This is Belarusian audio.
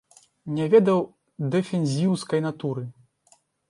Не ведаў дэфензіўскай натуры.